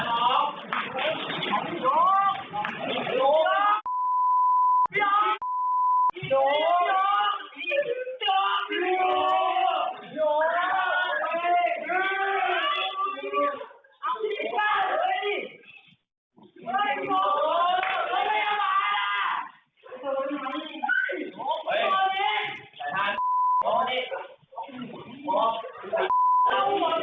ไม่ระบายละ